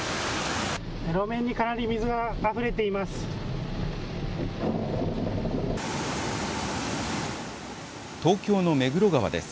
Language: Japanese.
路面にかなり水があふれています。